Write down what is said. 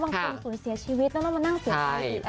บางคนสูญเสียชีวิตต้องมานั่งเสียชีวิต